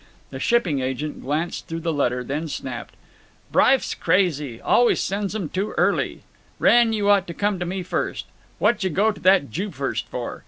The shipping agent glanced through the letter, then snapped: "Bryff's crazy. Always sends 'em too early. Wrenn, you ought to come to me first. What j'yuh go to that Jew first for?